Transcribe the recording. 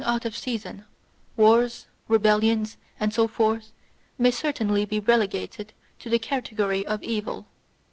out of season, wars, rebellions, and so forth, may certainly be relegated to the category of evil.